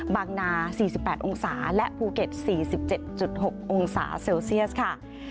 บางนาสี่สิบแปดองศาและภูเก็ตสี่สิบเจ็ดจุดหกองศาเซลเซียสค่ะ